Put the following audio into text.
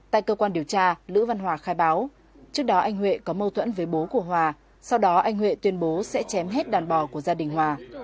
tại cơ quan điều tra lữ văn hòa khai báo trước đó anh huệ có mâu thuẫn với bố của hòa sau đó anh huệ tuyên bố sẽ chém hết đàn bò của gia đình hòa